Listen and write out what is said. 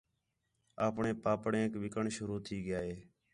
آپݨے پاپڑینک وِکݨ شروع تھی ڳِیا ہے